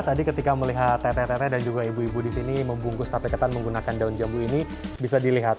tadi ketika melihat tete tete dan juga ibu ibu di sini membungkus tape ketan menggunakan daun jambu ini bisa dilihat